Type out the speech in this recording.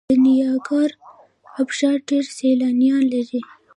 د نیاګرا ابشار ډیر سیلانیان لري.